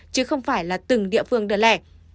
chứ không phải là từng địa phương đơn lẻ